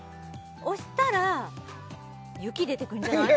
押したら雪出てくんじゃない！？